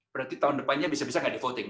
berarti tahun depannya bisa bisa tidak dipilih